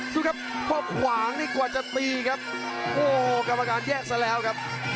ดูครับข้อขวางนี่กว่าจะตีครับโอ้โหกรรมการแยกซะแล้วครับ